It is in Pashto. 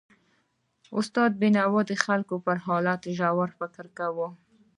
استاد بینوا د خلکو پر حالت ژور فکر کاوه.